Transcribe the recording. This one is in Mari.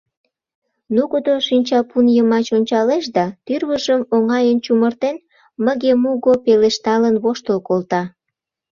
Нугыдо шинчапун йымач ончалеш да, тӱрвыжым оҥайын чумыртен, мыге-муго пелешталын воштыл колта.